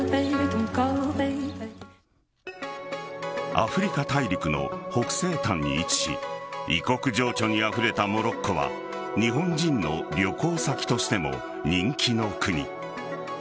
アフリカ大陸の北西間に位置し異国情緒にあふれたモロッコは日本人の旅行先としても人気の国。